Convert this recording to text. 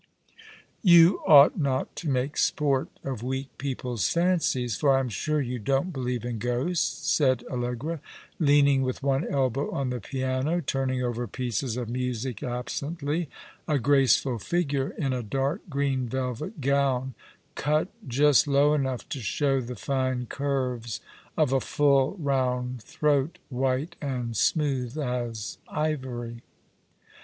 " You ought not to make sport of weak people's fancies, for I am sure you don't believe in ghosts," said AUegra, leaning with one elbow on the piano, turning over pieces of music absently, a graceful figure in a dark green velvet gown, cut just low enough to show the fine curves of a full, round throat, white and smooth as ivory.